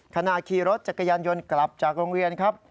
ขณะขี่รถจักรยานยนต์กลับจากโรงเรียนครับ